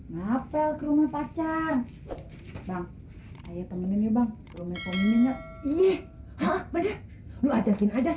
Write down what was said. ngapel ke rumah pacar bang temenin ya bang rumahnya iya hah lu ajakin aja